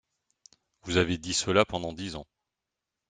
Vous avez dit cela pendant dix ans